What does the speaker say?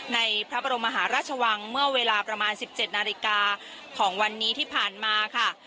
ในพระบรมมหาราชวังเมื่อเวลาประมาณ๑๗นาฬิกาของวันนี้ที่ผ่านมาค่ะ